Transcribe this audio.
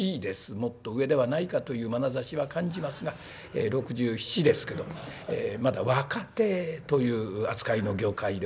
もっと上ではないかというまなざしは感じますが６７ですけどまだ若手という扱いの業界でございます。